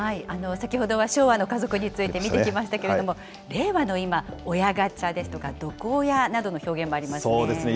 先ほどは昭和の家族について見てきましたけれども、令和の今、親ガチャですとか毒親などの表現もありますね。